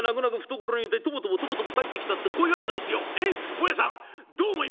大家さんどう思いますか！？」。